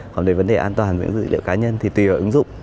còn về vấn đề an toàn với dữ liệu cá nhân thì tùy vào ứng dụng